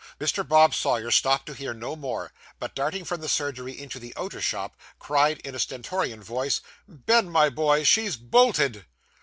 Mr. Bob Sawyer stopped to hear no more; but darting from the surgery into the outer shop, cried in a stentorian voice, 'Ben, my boy, she's bolted!